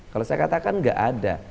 kalau saya katakan nggak ada